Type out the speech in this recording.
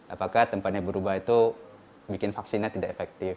apakah tempatnya berubah itu bikin vaksinnya tidak efektif